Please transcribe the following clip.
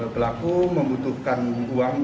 pelaku membutuhkan uang